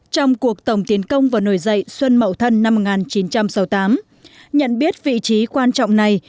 trong cuộc tổng tiến công và nổi dậy xuân mậu thân năm một nghìn chín trăm sáu mươi tám nhận biết vị trí quan trọng này